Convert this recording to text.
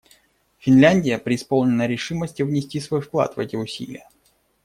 Финляндия преисполнена решимости внести свой вклад в эти усилия.